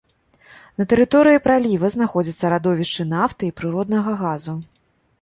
На тэрыторыі праліва знаходзяцца радовішчы нафты і прыроднага газу.